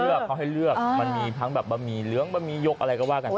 เขาให้เลือกมันมีทั้งแบบบะหมี่เหลืองบะหมี่ยกอะไรก็ว่ากันไป